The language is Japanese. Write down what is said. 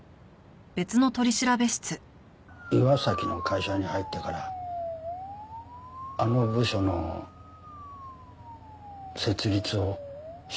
岩崎の会社に入ってからあの部署の設立を社長に依頼されて。